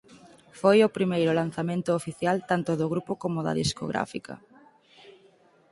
Foi o primeiro lanzamento oficial tanto do grupo como da discográfica.